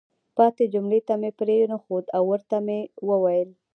پاتې جملې ته مې پرېنښود او ورته ومې ویل: